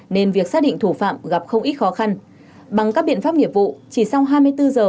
nên việc xác định thủ phạm gặp không ít khó khăn bằng các biện pháp nghiệp vụ chỉ sau hai mươi bốn giờ